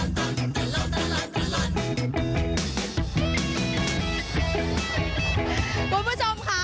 สวัสดีคุณผู้ชมค่ะ